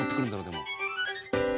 でも。